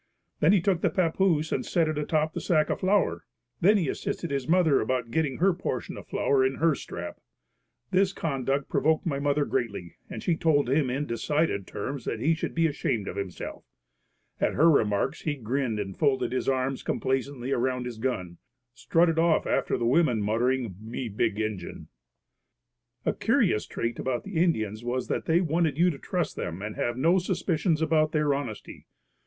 Then he took the papoose and set it atop the sack of flour. He then assisted his mother about getting her portion of flour in her strap. His conduct provoked mother greatly and she told him in decided terms that he should be ashamed of himself. At her remarks he grinned and folding his arms complacently around his gun, strutted off after the women muttering, "Me big Injun." A curious trait about the Indians was that they wanted you to trust them and have no suspicions about their honesty.